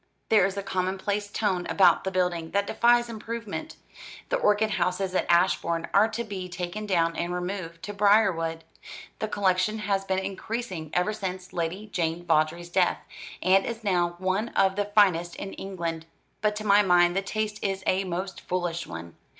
There is a commonplace tone about the building that defies improvement. The orchid houses at Ashbourne are to be taken down and removed to Briarwood. The collection has been increasing ever since Lady Jane Vawdrey's death, and is now one of the finest in England. But to my mind the taste is a most foolish one.